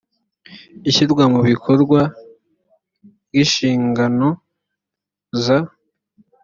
ishyirwa mu bikorwa ry inshingano za